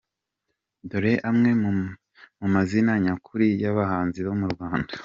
Dore amwe mu mazina nyakuri y’abahanzi bo mu Rwanda:.